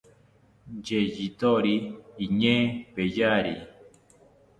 Yeyithori iñee peyari